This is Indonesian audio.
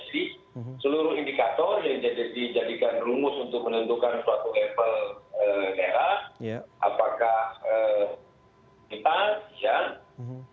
jadi seluruh indikator yang dijadikan rumus untuk menentukan suatu level daerah